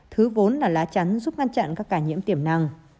thứ vốn là lá chắn giúp ngăn chặn các ca nhiễm tiềm năng